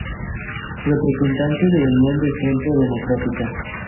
Representante de Unión de Centro Democrático.